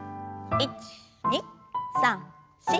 １２３４。